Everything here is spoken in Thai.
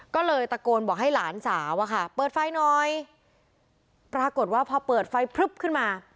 ก็เลยตะโกนบอกให้หลานสาวอะค่ะเปิดไฟหน่อยปรากฏว่าพอเปิดไฟพลึบขึ้นมา